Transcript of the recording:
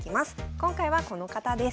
今回はこの方です。